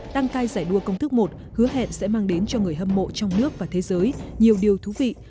đăng cai giải đua công thức một hứa hẹn sẽ mang đến cho người hâm mộ trong nước và thế giới nhiều điều thú vị